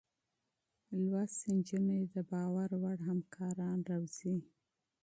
تعليم شوې نجونې د باور وړ همکاران روزي.